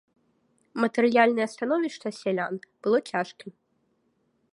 Матэрыяльнае становішча сялян было цяжкім.